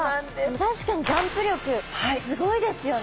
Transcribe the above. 確かにジャンプ力すごいですよね！